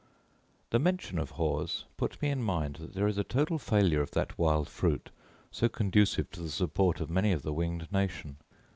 The mention of haws put me in mind that there is a total failure of that wild fruit, so conducive to the support of many of the winged nation.